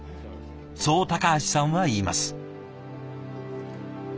そう橋さんは言います。